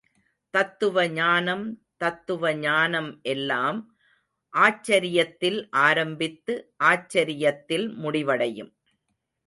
தத்துவ ஞானம் தத்துவ ஞானம் எல்லாம் ஆச்சரியத்தில் ஆரம்பித்து, ஆச்சரியத்தில் முடிவடையும்.